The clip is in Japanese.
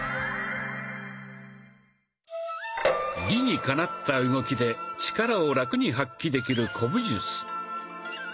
理にかなった動きで力をラクに発揮できる古武術。